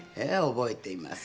覚えています。